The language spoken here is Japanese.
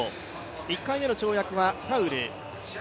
１回目の跳躍はファウル。